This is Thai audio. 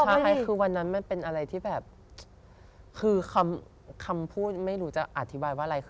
ใช่คือวันนั้นมันเป็นอะไรที่แบบคือคำพูดไม่รู้จะอธิบายว่าอะไรคือ